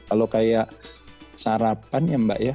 kalau kayak sarapan ya mbak ya